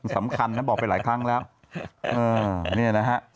สำคัญนะบอกไปหลายครั้งแล้วเออเนี่ยนะฮะ